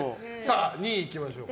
２位、いきましょうか。